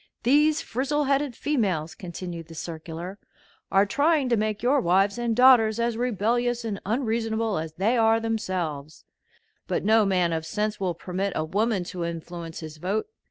"These frizzle headed females," continued the circular, "are trying to make your wives and daughters as rebellious and unreasonable as they are themselves; but no man of sense will permit a woman to influence his vote.